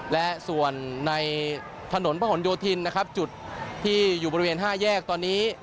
และส่วนในถนนพระหลโยธินนะครับจุดที่อยู่บริเวณ๕แยกตอนนี้